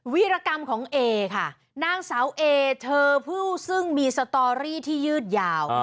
วิรกรรมของเอค่ะนางสาวเอเธอผู้ซึ่งมีสตอรี่ที่ยืดยาว